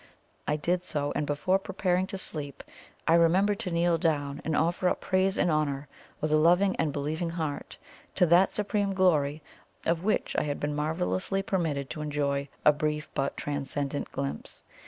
I did so, and before preparing to sleep I remembered to kneel down and offer up praise and honour, with a loving and believing heart, to that Supreme Glory, of which I had been marvellously permitted to enjoy a brief but transcendent glimpse.